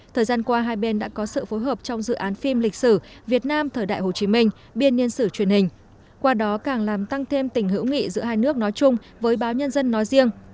thời gian qua hai bên đã có sự phối hợp trong dự án phim lịch sử việt nam thời đại hồ chí minh biên niên sử truyền hình qua đó càng làm tăng thêm tình hữu nghị giữa hai nước nói chung với báo nhân dân nói riêng